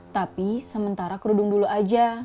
tapi sementara kerudung dulu aja